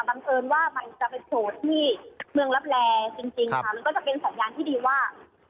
บังเอิญว่ามันจะเป็นโจทย์ที่เมืองรับแร่จริงค่ะมันก็จะเป็นสัญญาณที่ดีว่า